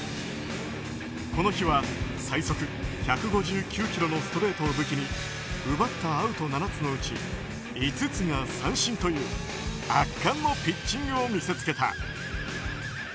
この日は、最速１５９キロのストレートを武器に奪ったアウト７つのうち５つが三振という圧巻のピッチングを見せつけた。